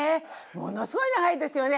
ものすごい長いですよね。